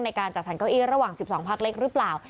ในการจัดสรรเก้าอี้ระหว่าง๑๒พักเล็กหรือเปล่า